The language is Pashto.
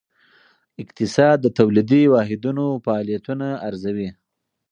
اقتصاد د تولیدي واحدونو فعالیتونه ارزوي.